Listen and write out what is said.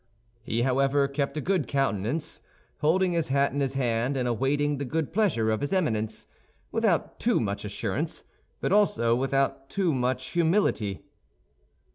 He however kept a good countenance, holding his hat in his hand and awaiting the good pleasure of his Eminence, without too much assurance, but also without too much humility.